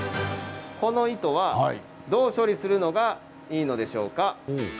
この糸はどう処理するのがいいのでしょうか？